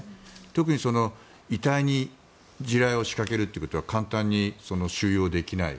特に遺体に地雷を仕掛けるということは簡単に収容できない。